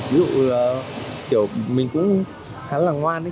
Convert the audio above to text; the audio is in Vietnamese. ví dụ kiểu mình cũng khá là ngoan đấy